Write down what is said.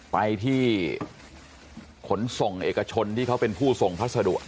ไปที่ขนส่งเอกชนที่เขาเป็นผู้ส่งพัสดุ